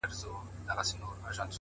يوه خبره كوم نوري مي په ياد كي نه دي.!